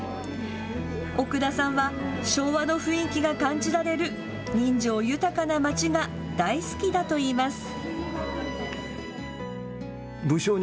奥田さんは昭和の雰囲気が感じられる人情豊かな街が大好きだといいます。